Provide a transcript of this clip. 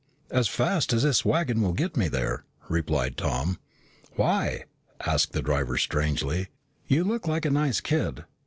"As fast as this wagon will get me there," replied Tom. "Why?" asked the driver strangely. "You look like a nice kid.